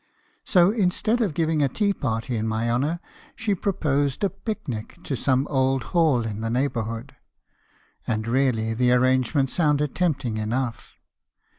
So instead of giving a tea party in my honour, she proposed a pic nicto some old hall in the neighbourhood; and really the arrange ments sounded tempting enough.